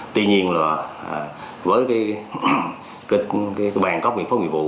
tuy nhiên là với cái bàn có miệng phóng nhiệm vụ